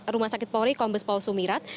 rumah sakit polri kombes paul sumirat